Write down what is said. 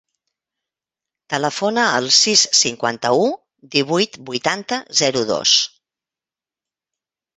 Telefona al sis, cinquanta-u, divuit, vuitanta, zero, dos.